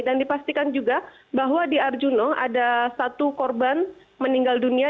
dan dipastikan juga bahwa di arjuna ada satu korban meninggal dunia